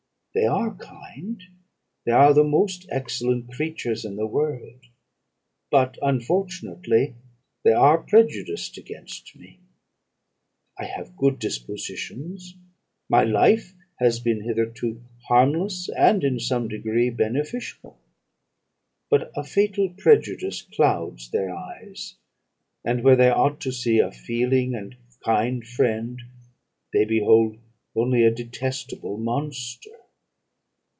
"'They are kind they are the most excellent creatures in the world; but, unfortunately, they are prejudiced against me. I have good dispositions; my life has been hitherto harmless, and in some degree beneficial; but a fatal prejudice clouds their eyes, and where they ought to see a feeling and kind friend, they behold only a detestable monster.'